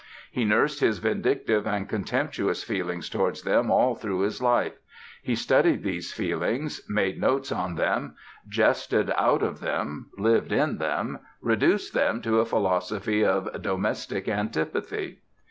He nursed his vindictive and contemptuous feelings towards them all through his life; he studied these feelings, made notes on them, jested out of them, lived in them, reduced them to a philosophy of domestic antipathy.